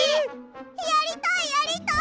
やりたいやりたい！